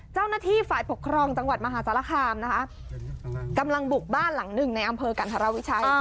เจ้าหน้าที่ฝ่ายปกครองจังหวัดมหาสารคามนะคะกำลังบุกบ้านหลังหนึ่งในอำเภอกันธรวิชัย